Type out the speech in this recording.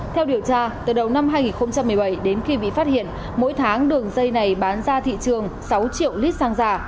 theo điều tra từ đầu năm hai nghìn một mươi bảy đến khi bị phát hiện mỗi tháng đường dây này bán ra thị trường sáu triệu lít xăng giả